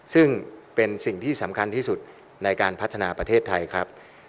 ซึ่งเป็นสิ่งที่สำคัญที่สุดในการพัฒนาประเทศไทยครับ